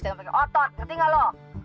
jangan pake otot ngerti gak lo